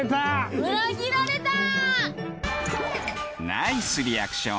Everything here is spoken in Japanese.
ナイスリアクション！